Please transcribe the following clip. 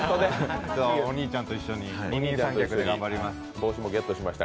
お兄ちゃんと一緒に二人三脚で頑張ります。